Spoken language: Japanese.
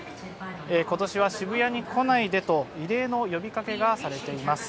今年は「渋谷に来ないで」と異例の呼びかけがされています。